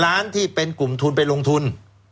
ล้านที่เป็นกลุ่มทุนไปลงทุน